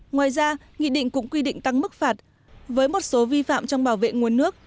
ngoài ra nghị định cũng quy định tăng mức phạt với một số vi phạm trong bảo vệ nguồn nước